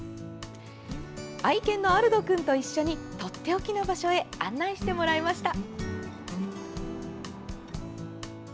愛犬のアルド君と一緒にとっておきの場所へ案内してもらいました。